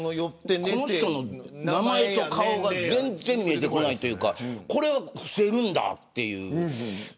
この人の名前と顔が全然見えてこないというかこれは伏せるんだっていう。